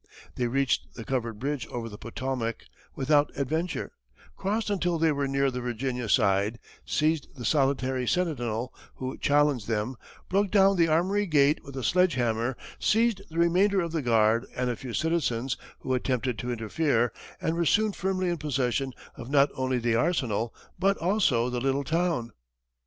They reached the covered bridge over the Potomac without adventure, crossed until they were near the Virginia side, seized the solitary sentinel who challenged them, broke down the armory gate with a sledge hammer, seized the remainder of the guard, and a few citizens, who attempted to interfere, and were soon firmly in possession of not only the arsenal, but also the little town.